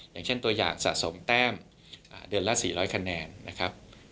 อย่างเช่นตัวอย่างสะสมแต้มเดือนละ๔๐๐คะแนนนะครับ